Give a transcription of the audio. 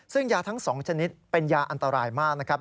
ซึ่งยาทั้ง๒ชนิดเป็นยาอันตรายมากนะครับ